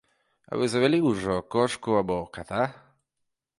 А вы завялі ўжо кошку або ката?